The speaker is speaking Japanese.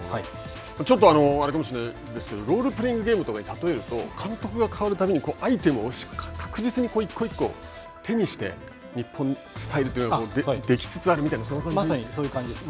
ちょっとあれかもしれないですけどロールプレーイングゲームとかに例えると監督が代わるたびにアイテムを確実に一個一個手にして日本のスタイルがまさにそんな感じです。